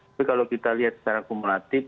tapi kalau kita lihat secara kumulatif